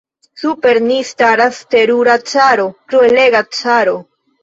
Super ni staras terura caro, kruelega caro.